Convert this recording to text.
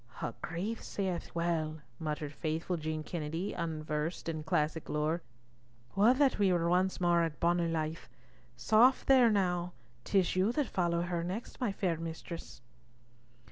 "Her Grace saith well," muttered faithful Jean Kennedy, unversed in classic lore, "would that we were once more at bonnie Leith. Soft there now, 'tis you that follow her next, my fair mistress."